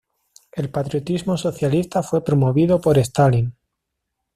El patriotismo socialista fue promovido por Stalin.